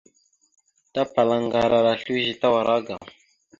Tapala aŋgar ara slʉze tawara agam.